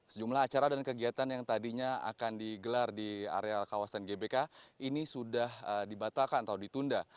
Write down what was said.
sejumlah acara dan kegiatan yang tadinya akan digelar di area kawasan gbk ini sudah dibatalkan atau ditunda